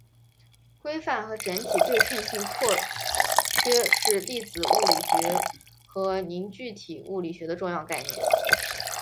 规范和整体对称性破缺是粒子物理学和凝聚体物理学的重要概念。